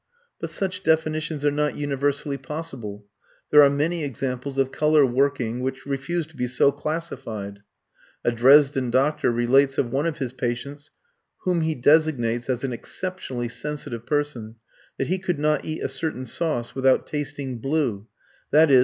But such definitions are not universally possible. There are many examples of colour working which refuse to be so classified. A Dresden doctor relates of one of his patients, whom he designates as an "exceptionally sensitive person," that he could not eat a certain sauce without tasting "blue," i.e.